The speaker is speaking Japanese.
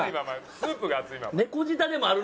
スープが熱いの。